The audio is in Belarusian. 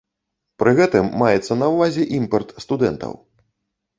Пры гэтым маецца на ўвазе імпарт студэнтаў.